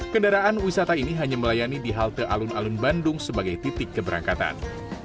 kendaraan wisata ini hanya melayani di halte alun alun bandung sebagai titik keberangkatan